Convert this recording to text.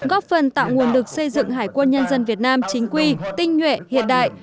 góp phần tạo nguồn lực xây dựng hải quân nhân dân việt nam chính quy tinh nhuệ hiện đại